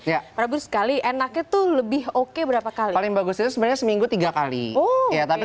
ya prabu sekali enaknya tuh lebih oke berapa kali bagusnya sebenarnya seminggu tiga kali oh ya tapi